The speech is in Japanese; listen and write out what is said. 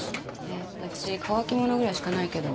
えっうち乾き物ぐらいしかないけど。